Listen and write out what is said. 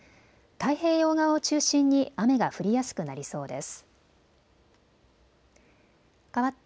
太平洋側を中心に雨が降りやすくなりそうです。